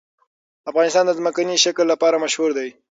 افغانستان د ځمکنی شکل لپاره مشهور دی.